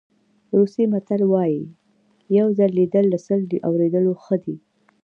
روسي متل وایي یو ځل لیدل له سل اورېدلو ښه دي.